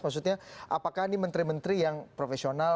maksudnya apakah ini menteri menteri yang profesional